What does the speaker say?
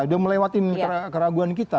sudah melewati keraguan kita